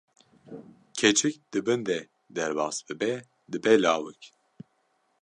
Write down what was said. keçik di bin de derbas bibe dibe lawik!